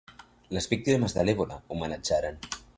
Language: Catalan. Les víctimes de l'èbola, homenatjaran!